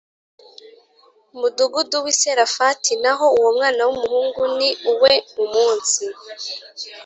mudugudu w i Sarefati naho uwo mwana w umuhungu ni uwe Umunsi